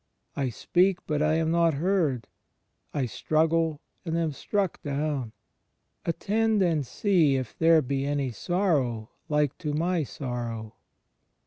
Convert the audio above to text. I speak, but I am not heard; I struggle and am struck down. ...* Attend, and see if there be any sorrow like to my sorrow.'